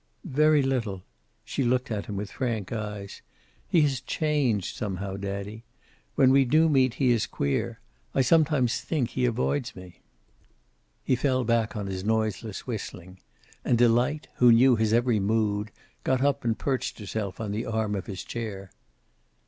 "Very little." She looked at him with frank eyes. "He has changed somehow, daddy. When we do meet he is queer. I sometimes think he avoids me." He fell back on his noiseless whistling. And Delight, who knew his every mood, got up and perched herself on the arm of his chair.